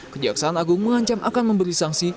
kejaksaan agung mengancam akan memberi sanksi